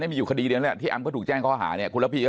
นี้มีอยู่คดีแล้วที่อัมก็ถูกแจ้งข้อหาเนี่ยคุณพี่ก็